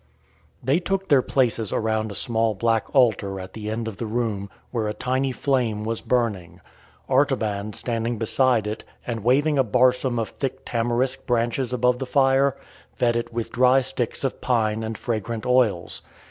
They took their places around a small black altar at the end of the room, where a tiny flame was burning. Artaban, standing beside it, and waving a barsom of thin tamarisk branches above the fire, fed it with dry sticks of pine and fragrant oils.